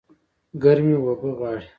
ګرمي اوبه غواړي